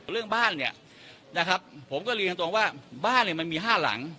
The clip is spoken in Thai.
เรื่องบ้านเนี่ยนะครับผมก็เรียนตรงว่าบ้านเนี่ยมันมี๕หลัง